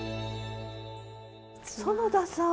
苑田さん。